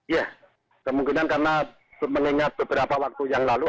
ya kemungkinan karena mengingat beberapa waktu yang lalu